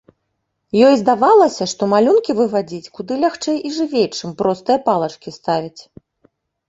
Ёй здавалася, што малюнкі вывадзіць куды лягчэй і жывей, чым простыя палачкі ставіць.